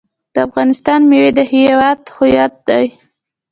د افغانستان میوې د هیواد هویت دی.